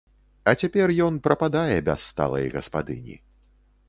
А цяпер ён прападае без сталай гаспадыні.